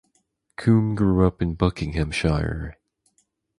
Coombe grew up in Buckinghamshire.